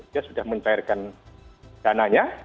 dia sudah mencairkan dananya